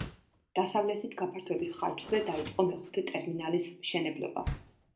დასავლეთით გაფართოების ხარჯზე დაიწყო მეხუთე ტერმინალის მშენებლობა.